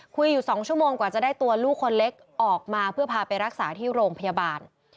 คุยอยู่๒ชั่วโมงกว่าจะได้ตัวลูกคนเล็กออกมาเพื่อพาไปรักษาที่โรงพยาบาล